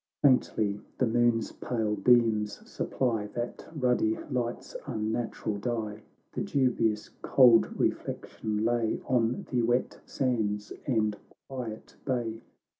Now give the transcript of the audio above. — xv Faintly the moon's pale beams supply That ruddy light's unnatural dye, The dubious cold reflection lay On the wet sands and quiet bay.